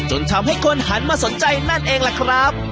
จนทำให้คนหันมาสนใจนั่นเองล่ะครับ